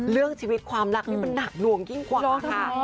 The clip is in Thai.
เรื่องชีวิตความรักนี่มันหนักหน่วงยิ่งกว่าค่ะ